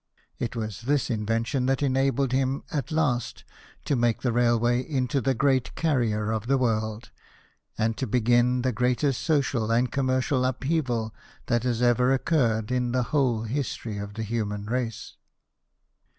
It was this invention that enabled him at last to make the railway into the great carrier of the world, and to begin the greatest social and commercial upheaval that has ever occurred in the whole history of the human race.